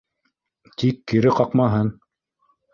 Тик кире ҡаҡмаһын.